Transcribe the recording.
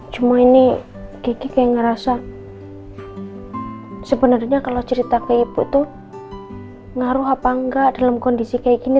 cuma ini diki kayak ngerasa sebenarnya kalau cerita ke ibu itu ngaruh apa enggak dalam kondisi kayak gini